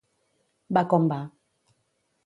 Va com va.